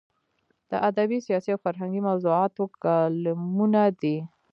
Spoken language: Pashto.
د ادبي، سیاسي او فرهنګي موضوعاتو کالمونه دي.